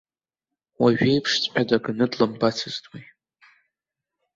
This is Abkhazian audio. Уажәеиԥшҵәҟьа даганы длымбацызт уи.